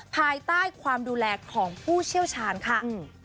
ภายใต้ความดูแลของผู้เชี่ยวชาญค่ะ